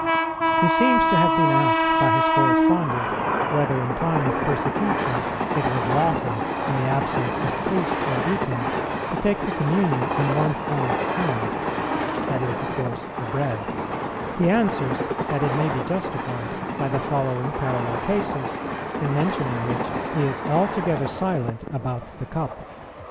He seems to have been asked by his correspondent, whether in time of persecution it was lawful, in the absence of priest or deacon, to take the communion "in one's own hand," that is, of course, the Bread; he answers that it may be justified by the following parallel cases, in mentioning which he is altogether silent about the Cup.